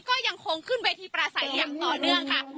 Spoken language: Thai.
ก็ยังคงขึ้นเวทีประสัยอย่างต่อเนื่องค่ะ